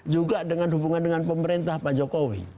juga dengan hubungan dengan pemerintah pak jokowi